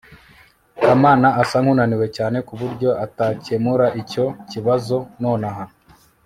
kamana asa nkunaniwe cyane kuburyo atakemura icyo kibazo nonaha